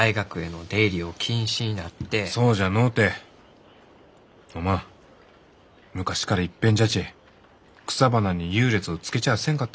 そうじゃのうておまん昔からいっぺんじゃち草花に優劣をつけちゃあせんかったろう？